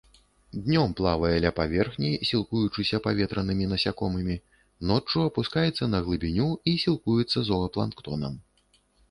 Днём плавае ля паверхні, сілкуючыся паветранымі насякомымі, ноччу апускаецца на глыбіню і сілкуецца зоапланктонам.